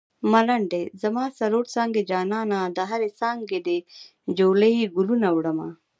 ملنډۍ: زما څلور څانګې جانانه د هرې څانګې دې جولۍ ګلونه وړمه